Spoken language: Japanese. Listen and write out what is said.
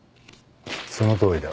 そのとおりだ。